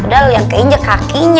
udah yang keinjek kakinya